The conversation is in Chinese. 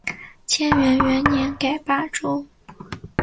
干元元年改霸州。